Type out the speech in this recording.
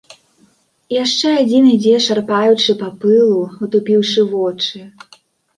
Яшчэ адзін ідзе шарпаючы па пылу, утупіўшы вочы.